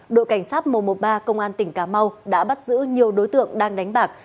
đội cảnh sát một trăm một mươi ba công an tỉnh cà mau đã bắt giữ nhiều đối tượng đang đánh bạc